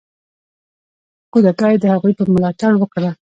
کودتا یې د هغوی په ملاتړ وکړه.